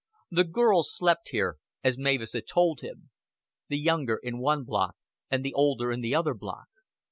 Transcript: The girls slept here, as Mavis had told him; the younger in one block and the older in the other block.